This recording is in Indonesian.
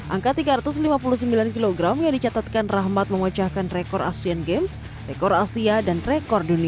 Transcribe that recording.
angka tiga ratus lima puluh sembilan kg yang dicatatkan rahmat memecahkan rekor asian games rekor asia dan rekor dunia